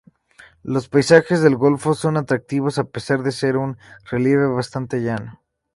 Los paisajes del golfo son atractivos, a pesar de ser un relieve bastante llano.